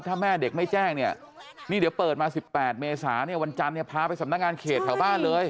ถ้าแม่เด็กไม่แจ้งนี่เดี๋ยวเปิดมา๑๘เมษาวันจำพาไปสำนักงานเขตแถวบ้านเลย